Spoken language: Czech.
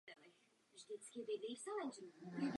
Jméno vesnice je odvozeno od častého jména Máša.